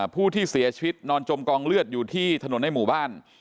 ผู้ที่เสียชีวิตนอนจมกองเลือดอยู่ที่ถนนในหมู่บ้าน